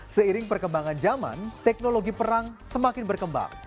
seiring perkembangan zaman teknologi perang semakin berkembang